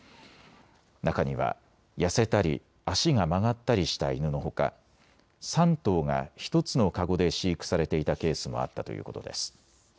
中には痩せたり足が曲がったりした犬のほか３頭が１つのかごで飼育されていたケースもあったということです。